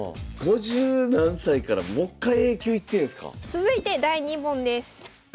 続いて第２問です。